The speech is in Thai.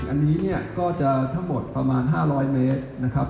อันนี้เนี่ยก็จะทั้งหมดประมาณ๕๐๐เมตรนะครับ